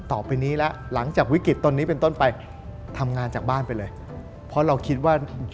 ต่อไปนี้แล้ว